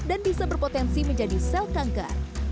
dan bisa berpotensi menjadi sel kanker